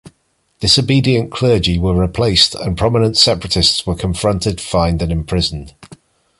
Disobedient clergy were replaced, and prominent Separatists were confronted, fined, and imprisoned.